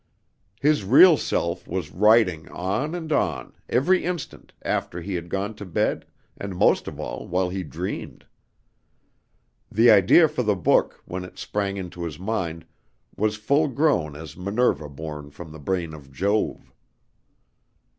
His real self was writing on and on, every instant, after he had gone to bed, and most of all, while he dreamed. The idea for the book, when it sprang into his mind, was full grown as Minerva born from the brain of Jove.